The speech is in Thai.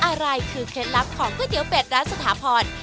อะไรคือเคล็ดลับของก๋วยเตี๋เป็ดร้านสถาพร